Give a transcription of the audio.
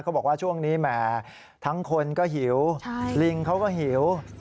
เขาบอกว่าช่วงนี้แหมทั้งคนก็หิวลิงเขาก็หิว